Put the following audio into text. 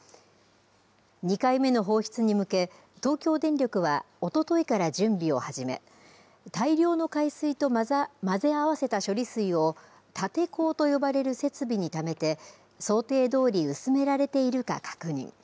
２回目の放出に向け、東京電力はおとといから準備を始め大量の海水と混ぜ合わせた処理水を立て坑と呼ばれる設備にためて想定どおり薄められているか確認。